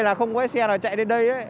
là không có xe nào chạy đến đây